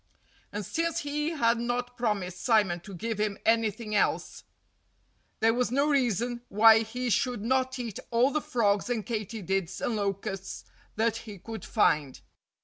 And since he had not promised Simon to give him anything else, there was no reason why he should not eat all the frogs and katydids and locusts that he could find.